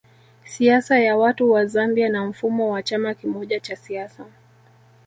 Siasa ya watu wa Zambia na mfumo wa chama kimoja cha siasa